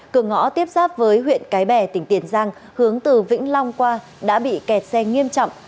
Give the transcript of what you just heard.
cửa ngõ tiếp giáp với huyện cái bè tỉnh tiền giang hướng từ vĩnh long qua đã bị kẹt xe nghiêm trọng